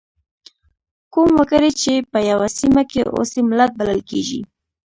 کوم وګړي چې په یوه سیمه کې اوسي ملت بلل کیږي.